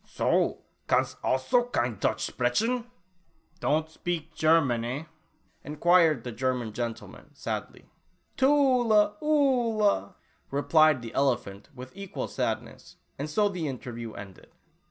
"So? Kannst also kein Deutsch sprechen? Don't shpeak chermans, eh?" enquired the Ger man gentleman, sadly. "Tula Oolah," replied the elephant with equal sadness, and so the interview ended.